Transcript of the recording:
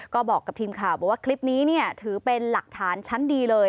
ก็บอกกับทีมข่าวบอกว่าคลิปนี้ถือเป็นหลักฐานชั้นดีเลย